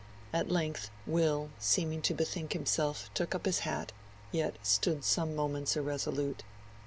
At length Will, seeming to bethink himself, took up his hat, yet stood some moments irresolute.